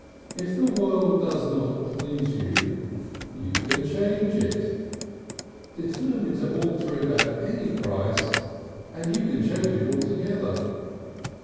If the world does not please you you can change it. Determine to alter it at any price, and you can change it altogether.